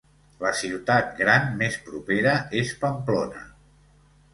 La ciutat gran més propera és Pamplona.